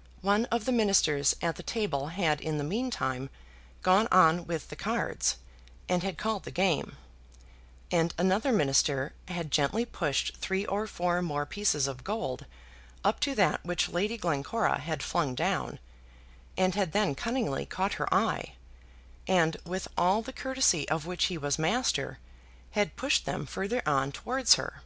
] One of the ministers at the table had in the meantime gone on with the cards, and had called the game; and another minister had gently pushed three or four more pieces of gold up to that which Lady Glencora had flung down, and had then cunningly caught her eye, and, with all the courtesy of which he was master, had pushed them further on towards her.